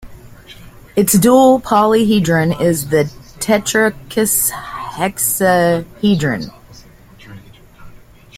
Its dual polyhedron is the tetrakis hexahedron.